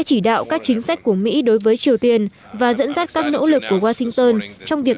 chỉ đạo các chính sách của mỹ đối với triều tiên và dẫn dắt các nỗ lực của washington trong việc